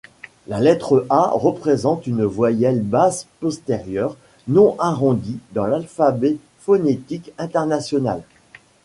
La lettre ɑ représente une voyelle basse postérieure non arrondie dans l'alphabet phonétique international.